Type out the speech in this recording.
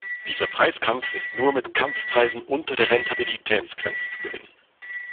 Dieser Preiskampf ist nur mit Kampfpreisen unter der Rentabilitätsgrenze zu gewinnen.